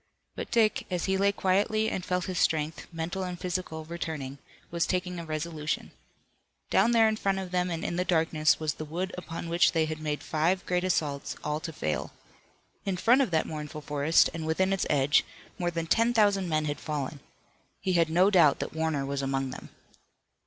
But Dick, as he lay quietly and felt his strength, mental and physical, returning, was taking a resolution. Down there in front of them and in the darkness was the wood upon which they had made five great assaults, all to fail. In front of that mournful forest, and within its edge, more than ten thousand men had fallen. He had no doubt that Warner was among them.